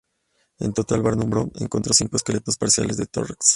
En total, Barnum Brown encontró cinco esqueletos parciales de "T.rex".